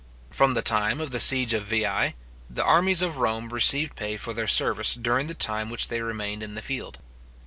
From the time of the siege of Veii, the armies of Rome received pay for their service during the time which they remained in the field.